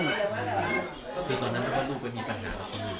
คือตอนนั้นนึกว่าลูกไปมีปัญหาแล้วเขาดู